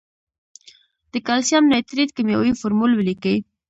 د کلسیم نایتریت کیمیاوي فورمول ولیکئ.